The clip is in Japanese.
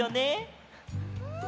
うん。